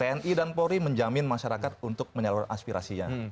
tni dan polri menjamin masyarakat untuk menyalur aspirasinya